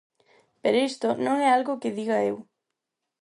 Pero isto non é algo que diga eu.